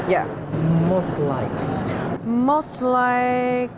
yang paling menarik